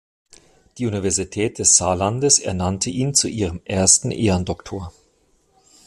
Die Universität des Saarlandes ernannte ihn zu ihrem ersten Ehrendoktor.